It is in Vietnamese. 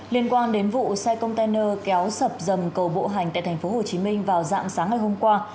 liên quan đến vụ xe container kéo sập dầm cầu bộ hành tại tp hcm vào dạng sáng ngày hôm qua